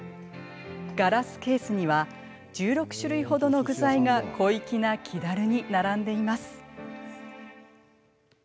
ガラスケースには１６種類ほどの具材が小粋な木だるに並んでいます。